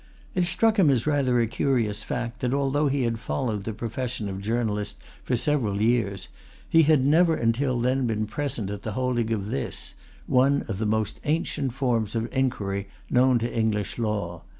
It struck him as rather a curious fact that, although he had followed the profession of journalist for several years, he had never until then been present at the holding of this one of the most ancient forms of inquiry known to English law.